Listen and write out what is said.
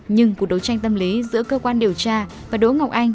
nhưng cuộc đấu tranh tâm lý giữa cơ quan điều tra và đỗ ngọc anh